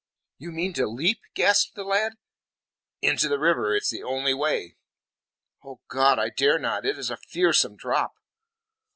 "You mean to leap?" gasped the lad. "Into the river. It is the only way." "O God, I dare not. It is a fearsome drop."